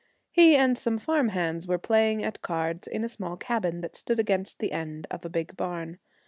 He and some farm hands were playing at cards in a small cabin that stood against the end of a big barn.